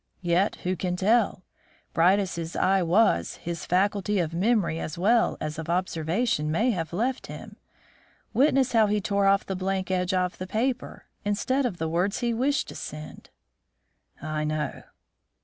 Yet who can tell. Bright as his eye was, his faculty of memory as well as of observation may have left him. Witness how he tore off the blank edge of the paper, instead of the words he wished to send." "I know."